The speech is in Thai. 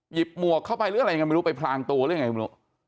หยิบมวกเข้าไปหรืออะไรไม่รู้ไปพรางตู้รึยังไงไม่รู้